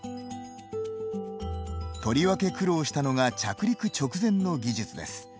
とりわけ苦労したのが着陸直前の技術です。